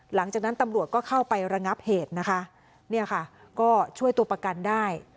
หลังจากนั้นตำรวจก็เข้าไประงับเหตุนะคะเนี่ยค่ะก็ช่วยตัวประกันได้